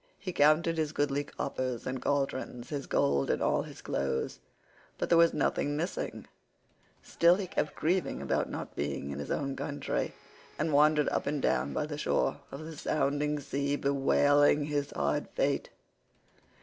He counted his goodly coppers and cauldrons, his gold and all his clothes, but there was nothing missing; still he kept grieving about not being in his own country, and wandered up and down by the shore of the sounding sea bewailing his hard fate.